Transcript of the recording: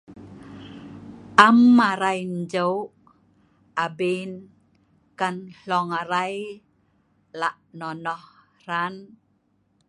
Am arai njeu abin kan hluong arai la’ nonoh hran